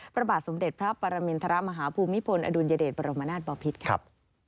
พระบาทสมเด็จพระปรมินทรมาฮภูมิพลอดุลยเดชบรมนาศบอพิษครับ